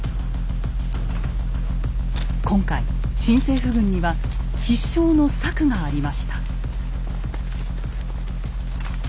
今回新政府軍には必勝の策がありました。